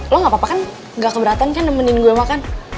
lo gak apa apa kan gak keberatan kan nemenin gue makan